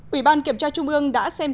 ủy ban kiểm tra trung ương